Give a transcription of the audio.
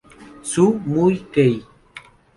Su Muy Key.